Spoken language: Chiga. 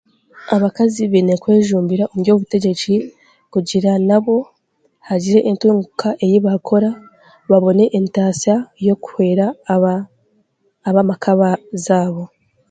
Abakaazi beine kwejumbira omu by'obutegyeki kugira nabo hagire entunguuka eyi bakora babone entasya y'okuhweera abamaka zaabo.